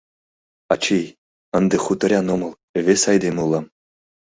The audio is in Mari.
Ачий, ынде хуторян омыл, вес айдеме улам.